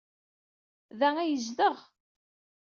Da ay yezdeɣ?